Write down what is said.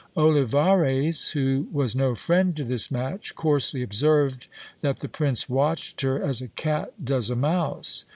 Olivares, who was no friend to this match, coarsely observed that the prince watched her as a cat does a mouse.